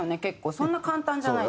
そんな簡単じゃない。